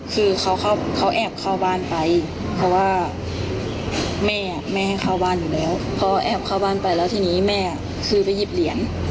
คือเขาแอบเข้าบ้านไปเพราะว่าแม่ไม่ให้เข้าบ้านอยู่แล้วพ่อแอบเข้าบ้านไปแล้วทีนี้แม่คือไปหยิบเหรียญ